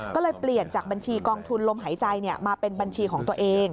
ก็เลยเปลี่ยนจากบัญชีกองทุนลมหายใจมาเป็นบัญชีของตัวเอง